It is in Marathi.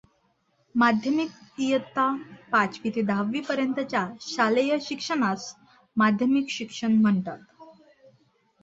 माध्यमिक इयत्ता पाचवी ते दहावीपर्यंतच्या शालेय शिक्षणास माध्यमिक शिक्षण म्हणतात.